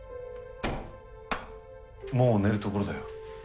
もう寝るところだよ。